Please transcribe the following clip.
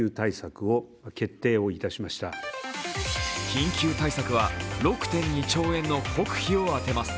緊急対策は６．２兆円の国費を充てます。